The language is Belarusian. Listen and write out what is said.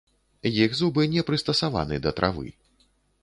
Іх зубы не прыстасаваны да травы.